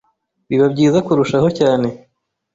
biba byiza kurushaho cyane